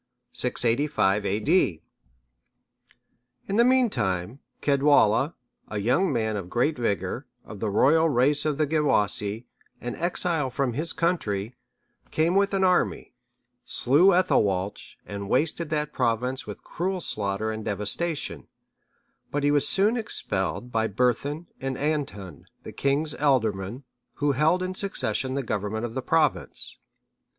[685 A.D.] In the meantime, Caedwalla,(631) a young man of great vigour, of the royal race of the Gewissae,(632) an exile from his country, came with an army, slew Ethelwalch,(633) and wasted that province with cruel slaughter and devastation; but he was soon expelled by Berthun and Andhun, the king's ealdormen, who held in succession the government of the province.